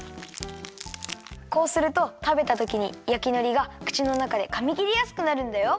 こうするとたべたときに焼きのりがくちのなかでかみきりやすくなるんだよ。